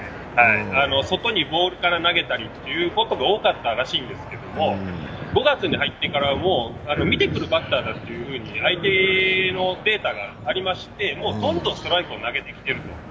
外にボールから投げたりということが多かったらしいんですけど５月に入ってから見てくるバッターだと相手のデータがありまして、どんどんストライクを投げてきている。